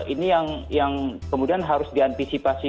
ini yang kemudian harus diantisipasi